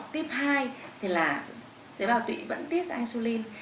tiếp hai thì là tế bào tụy vẫn tiết ra insulin